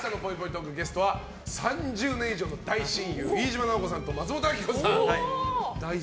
トークゲストは３０年以上の大親友飯島直子さんと松本明子さん。